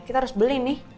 kita harus beli nih